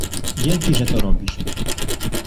Dzięki, że to robisz.